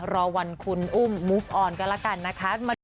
รอวันคุณอุ้มมูฟออนกันแล้วกันนะคะ